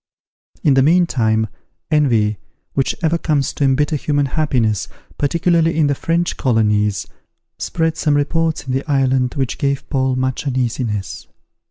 In the meantime, envy, which ever comes to embitter human happiness, particularly in the French colonies, spread some reports in the island which gave Paul much uneasiness.